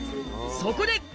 そこで！